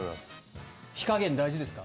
火加減大事ですか？